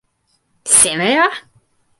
seme a?!